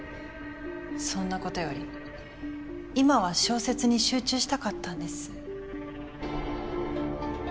そんなことより今は小説に集中したかったんです。